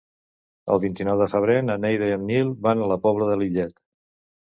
El vint-i-nou de febrer na Neida i en Nil van a la Pobla de Lillet.